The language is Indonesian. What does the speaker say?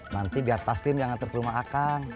nanti biar taslim yang ngatur ke rumah akang